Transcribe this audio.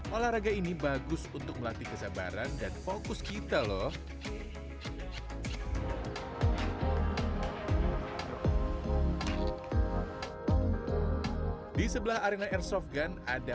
olahraga ini bagus untuk melatih kesabaran dan fokus kita loh di sebelah arena airsoft gun ada